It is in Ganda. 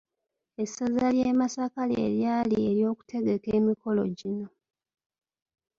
Essaza ly’e Masaka lye lyali eryokutegeka emikolo gino.